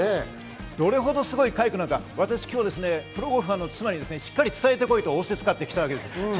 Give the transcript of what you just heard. どれほどすごい快挙なのか、プロゴルファーの妻からしっかり伝えてこいと仰せつかってきました。